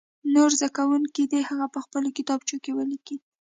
نور زده کوونکي دې هغه په خپلو کتابچو کې ولیکي.